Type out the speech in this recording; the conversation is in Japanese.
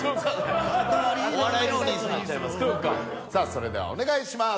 それではお願いします。